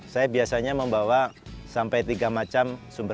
saya biasanya membawa sampai tiga macam sumber